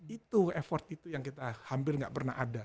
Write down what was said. itu effort itu yang kita hampir nggak pernah ada